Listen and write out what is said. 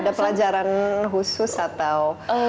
ada pelajaran khusus atau